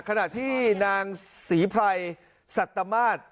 คณะที่นางสีพรัยสัตว์ตามาส